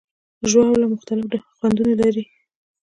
ژاوله مختلف خوندونه لري.